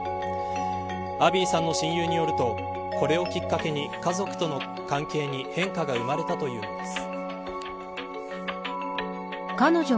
アビーさんの親友によるとこれをきっかけに家族との関係に変化が生まれたというのです。